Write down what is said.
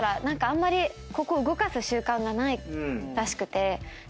何かあんまりここ動かす習慣がないらしくて。